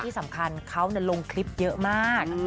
ที่สำคัญเขาลงคลิปเยอะมาก